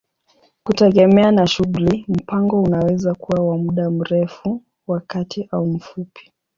Kutegemea na shughuli, mpango unaweza kuwa wa muda mrefu, wa kati au mfupi.